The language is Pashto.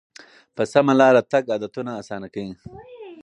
په سمه لاره تګ عادتونه اسانه کوي.